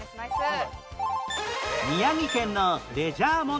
宮城県のレジャー問題